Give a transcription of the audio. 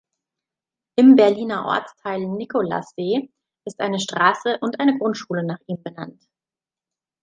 Im Berliner Ortsteil Nikolassee ist eine Straße und eine Grundschule nach ihm benannt.